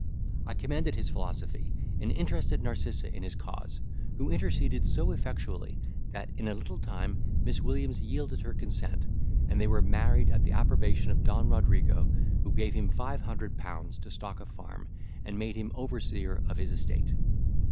I commended his philosophy, and interested Narcissa in his cause; who interceded so effectually, that in a little time Miss Williams yielded her consent, and they were married at the approbation of Don Rodrigo, who gave him five hundred pounds to stock a farm, and made him overseer of his estate.